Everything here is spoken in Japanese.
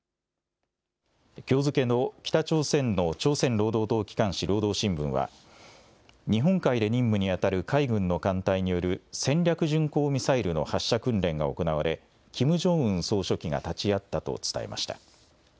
きょう付けの北朝鮮の朝鮮労働党機関紙、労働新聞は、日本海で任務に当たる海軍の艦隊による戦略巡航ミサイルの発射訓練が行われ、キム・ジョンウン総書記が立ち会ったと伝えました。